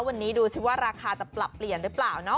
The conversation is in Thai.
วันนี้ดูสิว่าราคาจะปรับเปลี่ยนหรือเปล่าเนาะ